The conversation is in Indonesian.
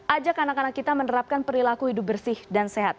ajak anak anak kita menerapkan perilaku hidup bersih dan sehat